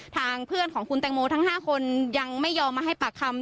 ทางเพื่อนของคุณแตงโมทั้ง๕คนยังไม่ยอมมาให้ปากคำ